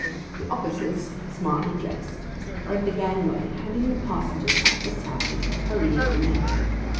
The officers, smartly dressed, are at the gangway handing the passengers up the side, and hurrying the men.